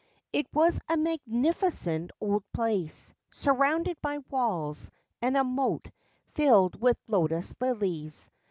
It was a magnifi cent old place, surrounded by walls and a moat filled with lotus lilies.